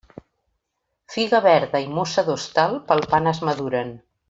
Figa verda i mossa d'hostal, palpant es maduren.